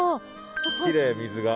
きれい水が。